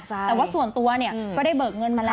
แต่ส่วนตัวเนี่ยด้วยเบิกเงินมาแล้ว